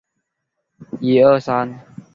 糖尿病酮症酸中毒的病发率因地区而异。